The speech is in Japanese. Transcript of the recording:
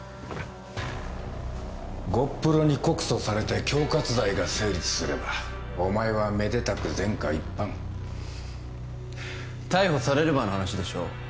ゴップロに告訴されて恐喝罪が成立すればお前はめでたく前科一犯逮捕されればの話でしょ